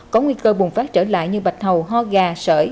có nguy cơ bùng phát trở lại như bạch hầu ho gà sởi